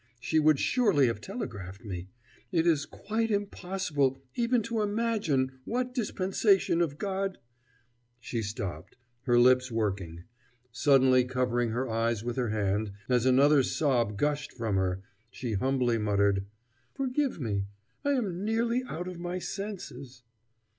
She would surely have telegraphed me.... It is quite impossible even to imagine what dispensation of God " She stopped, her lips working; suddenly covering her eyes with her hand, as another sob gushed from her, she humbly muttered: "Forgive me. I am nearly out of my senses."